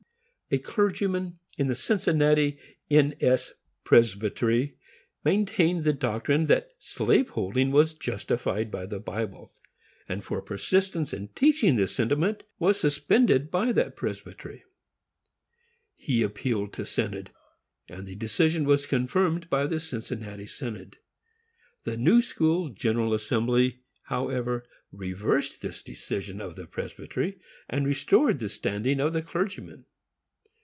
A clergyman in the Cincinnati N. S. Presbytery maintained the doctrine that slaveholding was justified by the Bible, and for persistence in teaching this sentiment was suspended by that presbytery. He appealed to Synod, and the decision was confirmed by the Cincinnati Synod. The New School General Assembly, however, reversed this decision of the presbytery, and restored the standing of the clergyman.